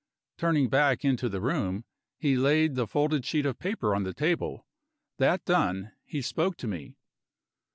Turning back into the room, he laid the folded sheet of paper on the table. That done, he spoke to me.